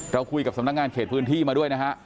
เราคุยกับสำนักงานเขตพื้นที่มาด้วยนะฮะ